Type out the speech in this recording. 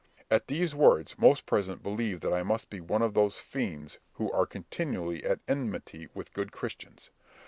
At these words, most present believed that I must be one of those fiends who are continually at enmity with good Christians.